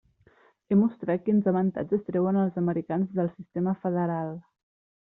He mostrat quins avantatges treuen els americans del sistema federal.